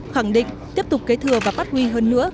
khẳng định tiếp tục kế thừa và phát huy hơn nữa